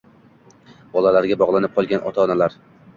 Bolalariga bog‘lanib qolgan ota-onalar